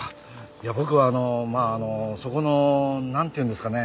いや僕はあのそこのなんていうんですかね。